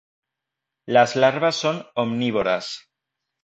Las larvas son omnívoras.